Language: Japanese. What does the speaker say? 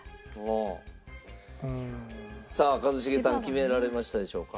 さあ一茂さん決められましたでしょうか。